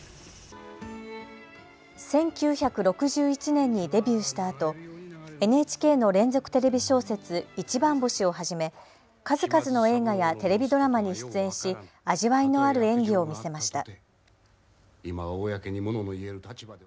１９６１年にデビューしたあとＮＨＫの連続テレビ小説いちばん星をはじめ、数々の映画やテレビドラマに出演し味わいのある演技を見せました。